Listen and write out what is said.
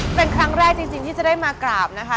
เป็นครั้งแรกจริงที่จะได้มากราบนะคะ